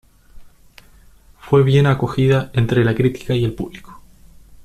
Fue bien acogida entre la crítica y el público.